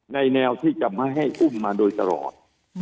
แนวที่จะไม่ให้อุ้มมาโดยตลอด